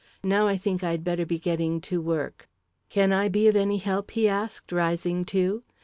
"Now I think I'd better be getting to work." "Can I be of any help?" he asked, rising too.